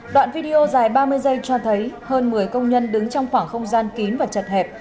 đoạn video dài ba mươi giây cho thấy hơn một mươi công nhân đứng trong khoảng không gian kín và chật hẹp